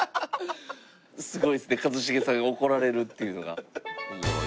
すごいっすね一茂さんが怒られるっていうのが。